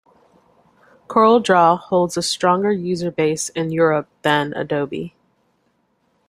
CorelDraw holds a stronger user base in Europe than Adobe.